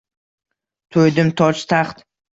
«To’ydim toj-taxt